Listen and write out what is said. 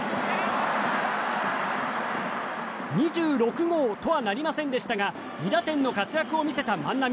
２６号とはなりませんでしたが２打点の活躍を見せた万波。